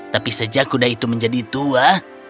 tapi sejak kuda itu menjadi tua